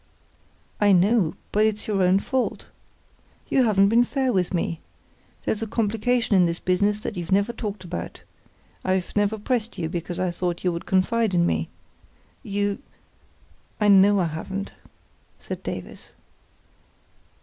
"I know; but it's your own fault. You haven't been fair with me. There's a complication in this business that you've never talked about. I've never pressed you because I thought you would confide in me. You——" "I know I haven't," said Davies.